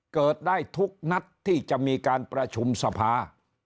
เกิดได้ทุกนัดที่จะมีการประชุมสภา